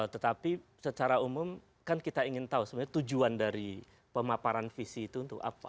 tetapi secara umum kan kita ingin tahu sebenarnya tujuan dari pemaparan visi itu untuk apa